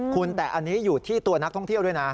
คุณแต่อันนี้อยู่ที่ตัวนักท่องเที่ยวด้วยนะ